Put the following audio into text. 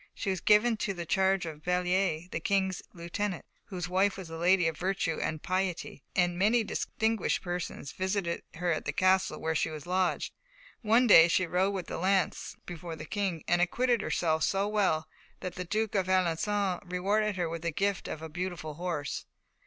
She was given to the charge of Bellier, the King's lieutenant, whose wife was a lady of virtue and piety, and many distinguished persons visited her at the castle where she was lodged. One day she rode with the lance before the King, and acquitted herself so well that the Duke of Alençon rewarded her with the gift of a beautiful horse.